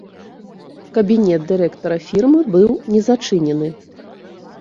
Кабінет дырэктара фірмы быў не зачынены.